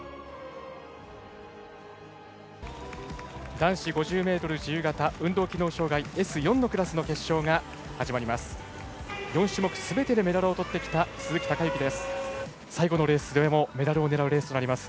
男子５０ｍ自由形運動機能障がい、Ｓ４のクラスの決勝が始まります。